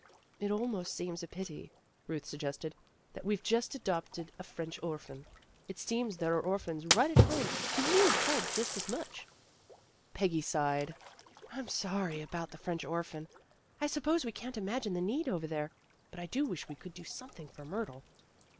"It almost seems a pity," Ruth suggested, "that we've just adopted a French orphan. FRIENDLY TERRACE ORPHANAGE 105 It seems there are orphans right at home who need help just as much." Peggy sighed. ''I'm not sorry about the French orphan. I suppose we can't imagine the need over there. But I do wish we could do something for Myrtle."